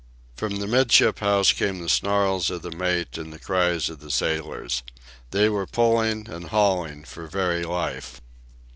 From the 'midship house came the snarls of the mate and the cries of the sailors. They were pulling and hauling for very life.